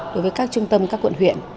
đối với các trung tâm các quận huyện